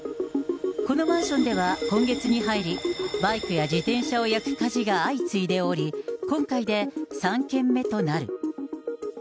このマンションでは、今月に入り、バイクや自転車を焼く火事が相次いでおり、今回で３件目となる。